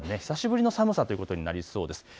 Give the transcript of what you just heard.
久しぶりの寒さということになりそうです。